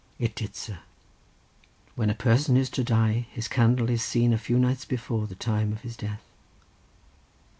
"It did, sir. When a person is to die, his candle is seen a few nights before the time of his death."